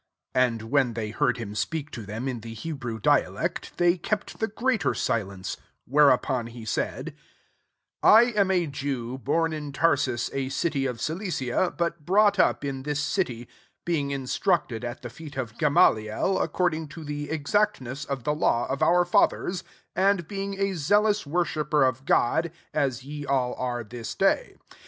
2 (And when they heard him speak to them in the Hebrew dialect, they kept the greater silence : whereupon he said,) 3 " I am a Jew, bom in Tarsus, a city of Cilicia, but brought up in this city, being instructed at the feet of Gamaliel, according to the exactness of the law of our fathers, and being a zealous worshipper of God, as ye all are this day.